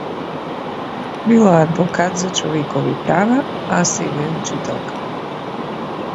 Била адвокат за човекови права, а сега е учителка.